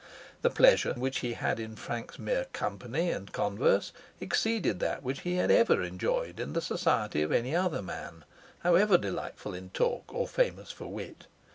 The pleasure which he had in Frank's mere company and converse exceeded that which he ever enjoyed in the society of any other man, however delightful in talk, or famous for wit.